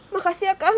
makasih ya kang